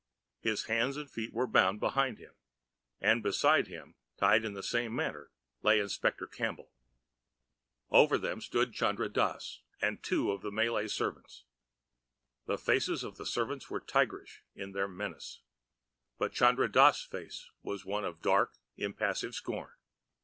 His hands and feet were bound behind him, and beside him, tied in the same manner, lay Inspector Campbell. Over them stood Chandra Dass and two of the Malay servants. The faces of the servants were tigerish in their menace, but Chandra Dass' face was one of dark, impassive scorn.